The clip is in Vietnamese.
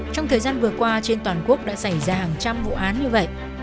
trong thời gian vừa qua trên toàn quốc đã xảy ra hàng trăm vụ án như vậy